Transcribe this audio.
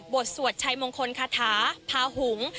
สวดชัยมงคลคาถาพาหุง